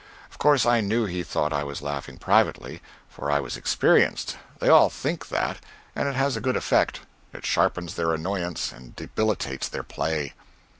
Of course I knew he thought I was laughing privately for I was experienced; they all think that, and it has a good effect; it sharpens their annoyance and debilitates their play.